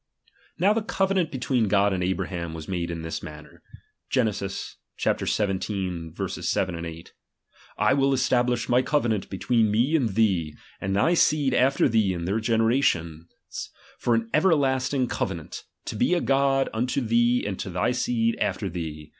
Now the covenant between God and Abraham was made in this manner, (Gen. xvii. 7) 8) :/ will establish my covenant between me and thee, and thy seed after thee in their generations, for an everlasting covenant, to be a God unto thee and to thy seed after thee.